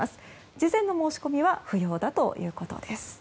事前の申し込みは不要だということです。